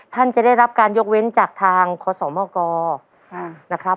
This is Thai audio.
ท่านจะได้รับการยกเว้นจากทางคศมกนะครับ